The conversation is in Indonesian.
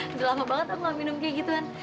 sudah lama banget aku nggak minum kayak gitu kan